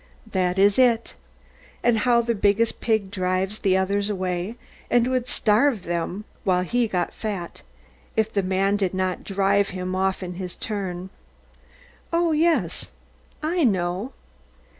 That is it. And how the biggest pig drives the others away, and would starve them while he got fat, if the man did not drive him off in his turn. Oh, yes; I know.